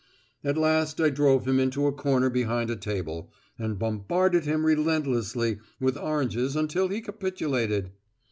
At last I drove him into a corner behind a table, and bombarded him relentlessly with oranges until he capitulated!